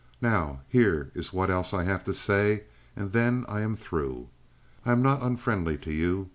Now here is what else I have to say, and then I am through. I am not unfriendly to you.